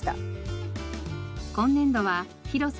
今年度は広さ